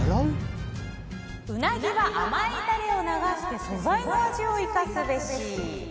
ウナギは甘いタレを流して素材の味を生かすべし。